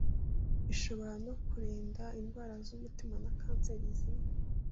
ishobora no kurinda indwara z'umitima na kanseri zimwe